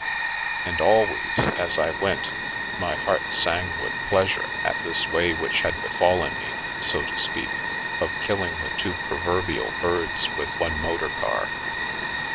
And always, as I went, my heart sang with pleasure at this way which had befallen me, so to speak, of killing the proverbial two birds with one motor car.